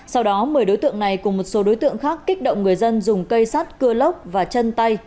sau đó một mươi đối tượng này cùng một số đối tượng khác kích động người dân dùng cây sắt cưa lốc và chân tay